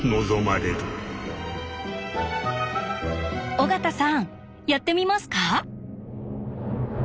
尾形さんやってみますか？